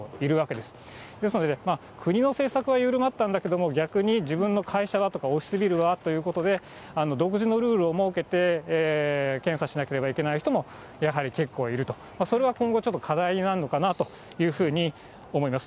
ですので、国の政策は緩まったんだけど、逆に自分の会社だとか、オフィスビルはということで、独自のルールを設けて検査しなければいけない人もやはり結構いると、それは今後、ちょっと課題なのかなというふうに思います。